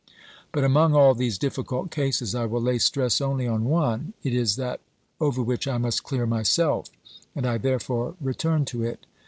But among all these difficult cases, I will lay stress only on one ; it is that over which I must clear myself, and I therefore return to it.